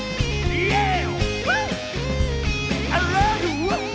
イエーイ！